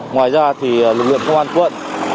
ngoài ra thì lực lượng công an quận